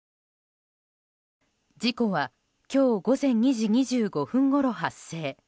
事故は今日午前２時２５分ごろ発生。